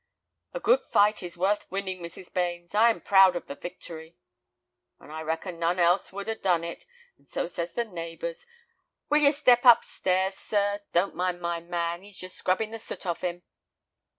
"A good fight is worth winning, Mrs. Bains. I am proud of the victory." "And I reckon none else would 'a' done it, and so says the neighbors. Will you step up stairs, sir? Don't mind my man, he's just scrubbing the soot off 'im."